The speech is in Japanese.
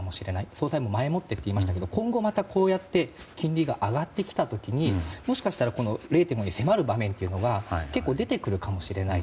総裁も前もってと言いましたが今後またこうやって金利が上がってきた時にもしかしたら０．５に迫る場面が結構出てくるかもしれない。